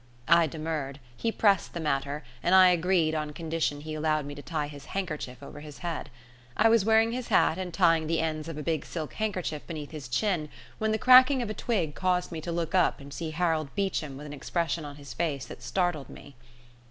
I demurred, he pressed the matter, and I agreed on condition he allowed me to tie his handkerchief over his head. I was wearing his hat and tying the ends of a big silk handkerchief beneath his chin when the cracking of a twig caused me to look up and see Harold Beecham with an expression on his face that startled me.